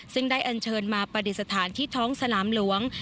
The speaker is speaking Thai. ซึ่งได้อันเชิญมาปฏิสถานที่ท้องสนามหลวง